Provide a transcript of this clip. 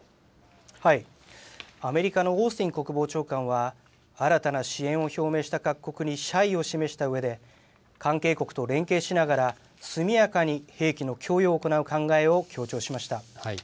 アメリカのオースティン国防長官は、新たな支援を表明した各国に謝意を示したうえで、関係国と連携しながら、速やかに兵器の供与を行う考えを強調しました。